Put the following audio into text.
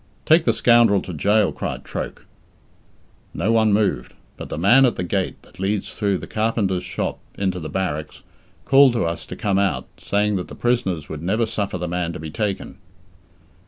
"Take the scoundrel to gaol!" cried Troke. No one moved, but the man at the gate that leads through the carpenter's shop into the barracks, called to us to come out, saying that the prisoners would never suffer the man to be taken.